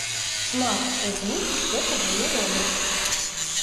Шмат хто з іх гэтага не робяць.